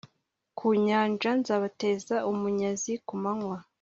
ku nyanja nzabateza umunyazi ku manywa